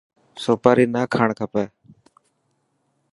سوپاري نا کاڻ کپي.